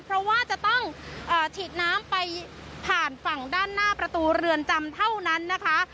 เพราะว่าจะต้องฉีดน้ำไปผ่านฝั่งด้านหน้าประตูเรือนจำเท่านั้นนะคะ